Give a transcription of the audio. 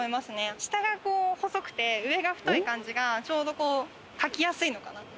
下が細くて上が太い感じが、ちょうどかきやすいのかな？